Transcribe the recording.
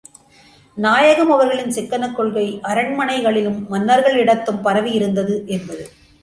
நாயகம் அவர்களின் சிக்கனக் கொள்கை, அரண்மனைகளிலும் மன்னர்களிடத்தும் பரவியிருந்தது என்பது!